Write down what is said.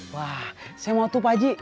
wah saya mau tuh pak ji